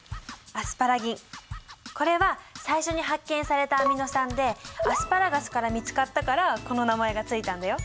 これは最初に発見されたアミノ酸でアスパラガスから見つかったからこの名前が付いたんだよ。